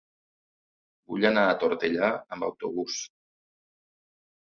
Vull anar a Tortellà amb autobús.